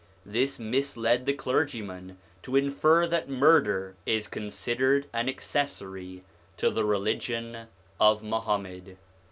This misled the clergyman to infer that murder is considered an accessory to the religion of Muhammad.